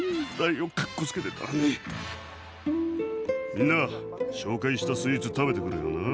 みんな紹介したスイーツ食べてくれよな！